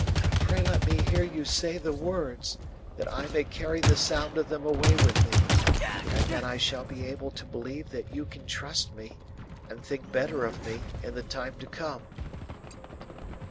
Pray let me hear you say the words, that I may carry the sound of them away with me, and then I shall be able to believe that you can trust me, and think better of me, in the time to come!"